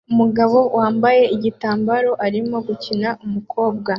Umugabo wambaye igitambaro arimo gukina umukobwa